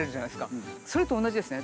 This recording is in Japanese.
それと同じですね。